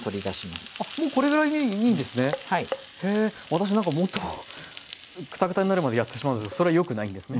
私なんかもっとクタクタになるまでやってしまうんですがそれはよくないんですね。